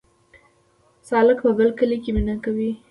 سالک په بل کلي کې مینه کوي